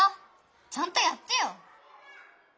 ちゃんとやってよ！